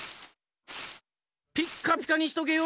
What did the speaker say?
ピッカピカにしとけよ！